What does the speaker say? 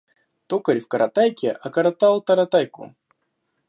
Токарь в коротайке окоротал таратайку.